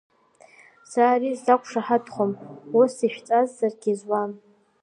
Сара ари сзақәшаҳаҭхом, ус ишәҵасзаргьы изуам.